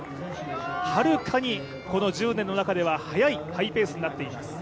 はるかに、この１０年の中では速いハイペースになっています。